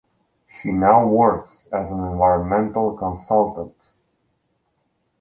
She now works as an environmental consultant.